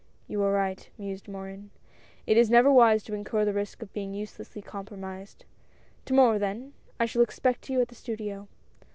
"You are right," mused Morin; "it is never wise to incur the risk of being uselessly compromised. To morrow then, I shall expect you at the studio."